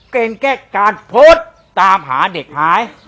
เป็นแค่การโพสต์ตามหาเด็กหาย